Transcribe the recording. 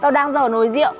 tao đang dở nồi rượu